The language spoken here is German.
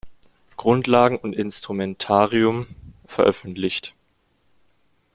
Grundlagen und Instrumentarium" veröffentlicht.